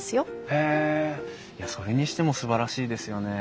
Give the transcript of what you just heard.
へえいやそれにしてもすばらしいですよね。